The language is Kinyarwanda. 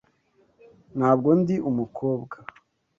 Ntabwo ndi umukobwa.